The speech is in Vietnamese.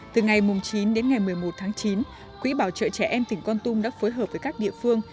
từ ngày chín đến ngày một mươi một tháng chín quý bà trợ trẻ em tỉnh con tung đã phối hợp với các địa phương